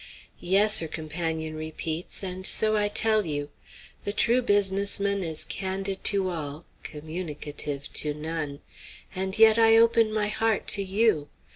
"Yes," her companion repeats; "and so I tell you. The true business man is candid to all, communicative to none. And yet I open my heart to you.